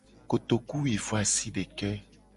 Kotokuwoasideke.